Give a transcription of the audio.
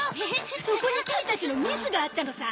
そこにキミたちのミスがあったのさ。